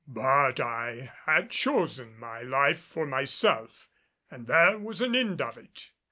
But I had chosen my life for myself and there was an end of it.